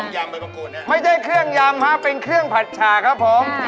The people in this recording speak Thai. อันนี้ไม่ใช่เครื่องยำครับเป็นเครื่องผัดชาครับผม